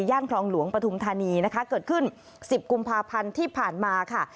คลองหลวงปฐุมธานีนะคะเกิดขึ้น๑๐กุมภาพันธ์ที่ผ่านมาค่ะ